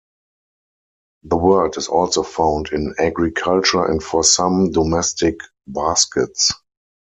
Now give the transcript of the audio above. The word is also found in agriculture and for some domestic baskets.